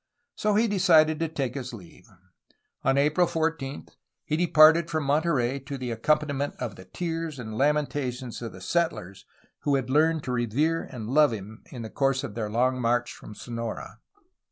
So he decided to take his leave. On April 14 he departed from Monterey to the accompaniment of the tears and lamenta THE FOUNDING OF SAN FRANCISCO 313 tions of the settlers, who had learned to revere and love him in the course of their long march from Sonora.